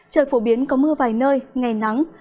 trời phổ biến có mưa vài nơi ngày nắng